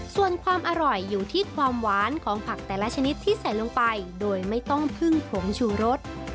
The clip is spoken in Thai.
ส่วนความอร่อยอยู่ที่ความหวานของผักแต่ละชนิดที่ใส่ลงไปโดยไม่ต้องพึ่งผงชูรส